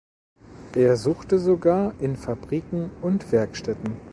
Er suchte sogar in Fabriken und Werkstätten.